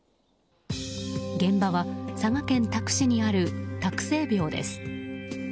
現場は佐賀県多久市にある多久聖廟です。